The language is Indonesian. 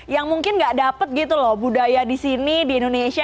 yang mungkin gak dapet gitu loh budaya di sini di indonesia